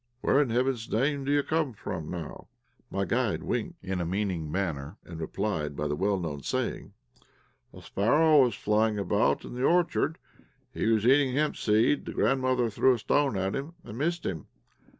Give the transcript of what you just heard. Where, in heaven's name, do you come from now?" My guide winked in a meaning manner, and replied by the well known saying "The sparrow was flying about in the orchard; he was eating hempseed; the grandmother threw a stone at him, and missed him.